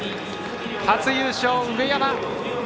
初優勝、上山。